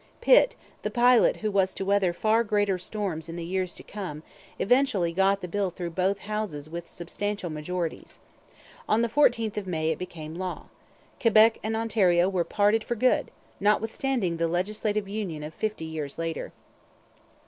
Pitt, the pilot who was to weather far greater storms in the years to come, eventually got the bill through both Houses with substantial majorities. On the 14th of May it became law. Quebec and Ontario were parted for good, notwithstanding the legislative union of fifty years later.